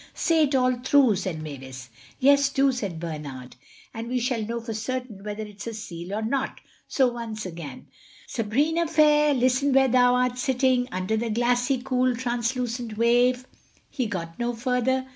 "Say it all through," said Mavis. "Yes, do," said Bernard, "then we shall know for certain whether it's a seal or not." So once again— "'Sabrina fair, Listen where thou art sitting, Under the glassie, cool, translucent wave,'" He got no further.